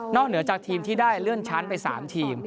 เหนือจากทีมที่ได้เลื่อนชั้นไป๓ทีม